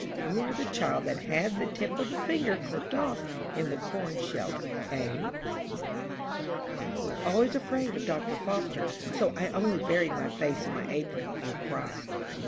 You are the child that had the tip of a finger clipped off in the corn sheller, hey?'" "I was always afraid of Dr. Foster, so I only buried my face in my apron, and cried."